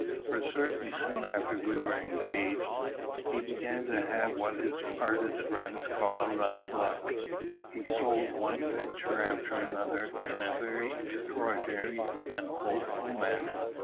For certainly soon after we were engaged, he began to have what his artist friends called a run of luck: he sold one picture after another in a very extraordinary and hopeful manner.